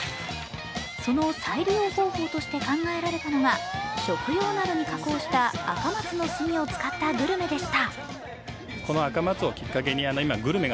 その再利用方法として考えられたのが、食用などに加工したアカマツの炭を使ったグルメでした。